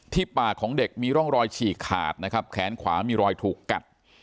ปากของเด็กมีร่องรอยฉีกขาดนะครับแขนขวามีรอยถูกกัด